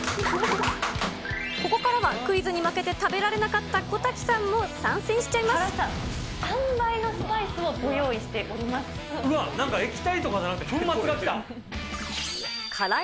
ここからはクイズに負けて食べられなかった小瀧さんも参戦しちゃ３倍のスパイスをご用意してなんか液体とかじゃなくて粉辛い